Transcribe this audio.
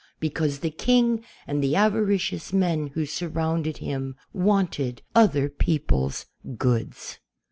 because the King and the avaricious men who surrounded him wanted other people's goods.